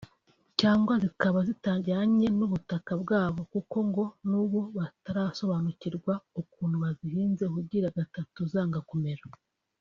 cyangwa zikaba zitajyanye n’ubutaka bwa bo kuko ngo n’ubu batarasobanukirwa ukuntu bazihinze ubugira gatatu zanga kumera